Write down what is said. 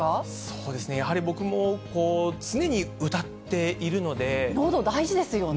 そうですね、やはり僕も常にのど大事ですよね。